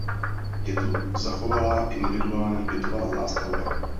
Je tu zachovalá individuální bytová zástavba.